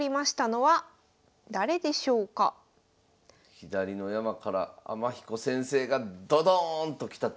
左の山から天彦先生がドドーンときたと。